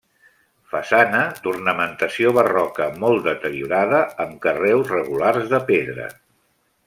Façana d'ornamentació barroca molt deteriorada, amb carreus regulars de pedra.